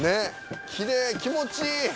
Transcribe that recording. きれい気持ちいい！